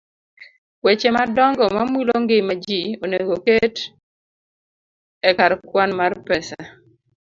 Weche madongo mamulo ngima ji onego oket e kar kwan mar pesa